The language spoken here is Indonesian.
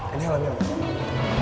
ini alamnya apa